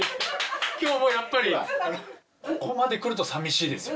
今日もやっぱりここまで来るとさみしいですよ